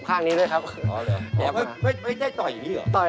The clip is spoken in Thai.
อขนให้ไกล